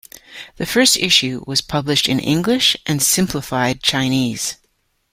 The first issue was published in English and Simplified Chinese.